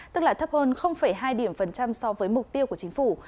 tức là thấp hơn hai điểm phần trăm so với mục tiêu của chính phủ